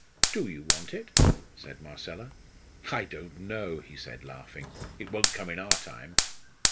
"Do you want it?" said Marcella. "I don't know," he said, laughing. "It won't come in our time."